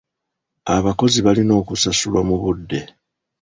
Abakozi balina okusasulwa mu budde.